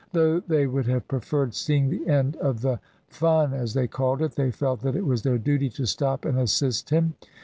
Though they would have preferred seeing the end of the "fun," as they called it, they felt that it was their duty to stop and assist him.